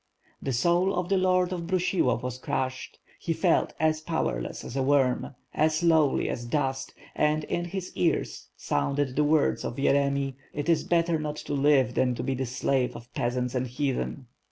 .." The soul of the lord of Brusilov was crushed, he felt as powerless as a worm, as lowly as dust and, in his ears, counded the words of Teremy: "It is better not to live than to be the slave of peasants and heathen."